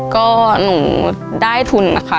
ก็หนูได้ทุนนะคะ